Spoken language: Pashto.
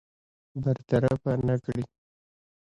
برطرف نه کړي.